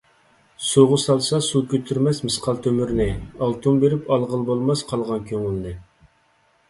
سۇغا سالسا سۇ كۆتۈرمەس مىسقال تۆمۈرنى ئالتۇن بېرىپ ئالغىلى بولماس قالغان كۆڭۈلنى .